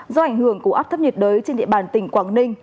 do ảnh hưởng của áp thấp nhiệt đới trên địa bàn tỉnh quảng ninh